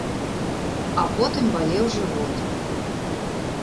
А потым балеў жывот.